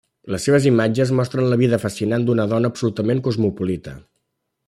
Les seves imatges mostren la vida fascinant d'una dona absolutament cosmopolita.